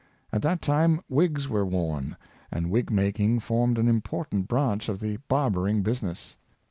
At that time wigs were worn, and wig making formed an important branch of the barbering business.